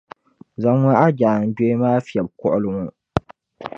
Zaŋmi a jaangbee maa n-fiεbi kuɣili ŋɔ.